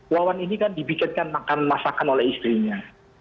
wawan ini kan dibikinkan makan masakan oleh istrinya